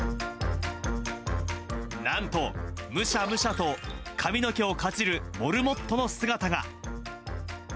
なんと、むしゃむしゃと髪の毛をかじるモルモットの姿が。